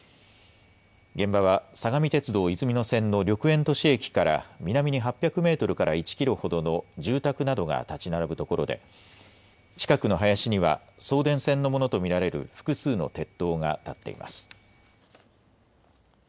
現場は相模鉄道いずみ野線の緑園都市駅から南に８００メートルから１キロほどの住宅などが建ち並ぶ所で、近くの林には、送電線のものと見られる複数の鉄塔がたっています。